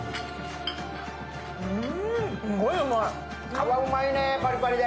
皮うまいね、パリパリで。